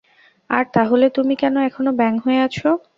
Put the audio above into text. আর তাহলে তুমি কেন এখনো ব্যাঙ হয়ে আছ?